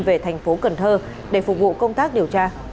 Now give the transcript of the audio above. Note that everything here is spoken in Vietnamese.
về thành phố cần thơ để phục vụ công tác điều tra